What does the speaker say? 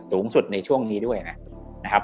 สูงสุดในช่วงนี้ด้วยนะครับ